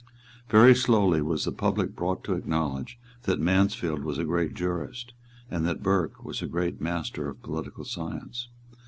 Very slowly was the public brought to acknowledge that Mansfield was a great jurist, and that Burke was a great master of political science.